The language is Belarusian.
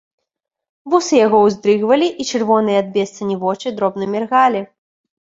Вусы яго ўздрыгвалі, і чырвоныя ад бессані вочы дробна міргалі.